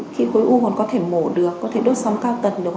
khi khối u còn có thể mổ được có thể đốt sóng cao tật được